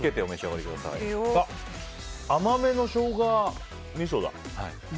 甘めのショウガみそだ。